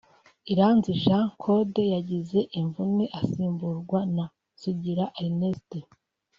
Iranzi Jean Claude yagize imvune asimburwa na Sugira Ernest